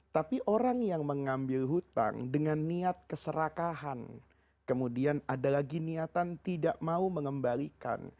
tapi orang yang mengambil hutang dengan niat keserakahan kemudian ada lagi niatan tidak mau mengembalikan